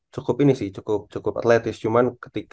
cukup ini sih cukup atlatis cuman